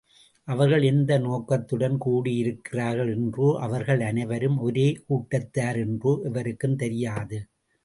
அவர்கள் எந்த நோக்கத்துடன் கூடியிருக்கிறார்கள் என்றோ அவர்கள் அனைவரும் ஒரே கூட்டத்தார் என்றோ எவருக்கும் தெரியது.